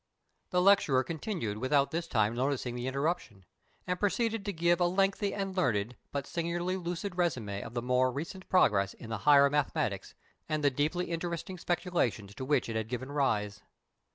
The lecturer continued without this time noticing the interruption, and proceeded to give a lengthy and learned but singularly lucid resumé of the more recent progress in the higher mathematics and the deeply interesting speculations to which it had given rise.